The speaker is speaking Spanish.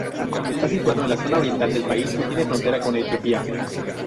Está situado en la zona oriental del país y tiene frontera con Etiopía.